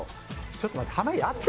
ちょっと待って。